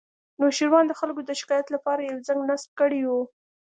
نوشیروان د خلکو د شکایت لپاره یو زنګ نصب کړی و